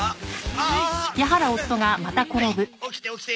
はい起きて起きて。